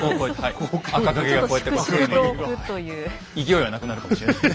勢いはなくなるかもしれない。